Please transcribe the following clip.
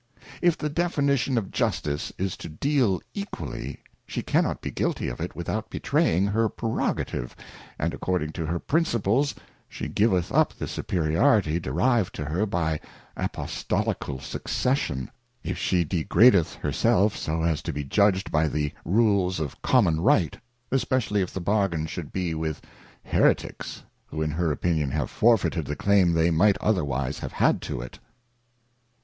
If The Anatomy of an Equivalent. 109 If the definition of Justice is to deal equally, she cannot be guilty of it without betraying her Prerogative, and according to her Principles, she giveth up the Superiority derived to her by Apostolical Succession, if she degradeth her self so as to be judged by the Rules of common Right, especially if the Bargain should be with Hereticks, who in her Opinion have forfeited the claim they might otherwise have had to it.